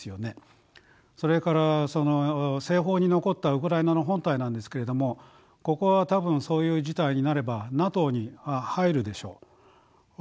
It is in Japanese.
それからその西方に残ったウクライナの本体なんですけれどもここは多分そういう事態になればＮＡＴＯに入るでしょう。